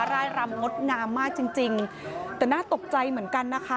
ร่ายรำงดงามมากจริงจริงแต่น่าตกใจเหมือนกันนะคะ